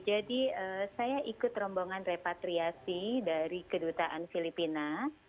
jadi saya ikut rombongan repatriasi dari kedutaan filipina